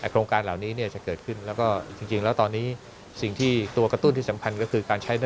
โครงการเหล่านี้จะเกิดขึ้นแล้วก็จริงแล้วตอนนี้สิ่งที่ตัวกระตุ้นที่สำคัญก็คือการใช้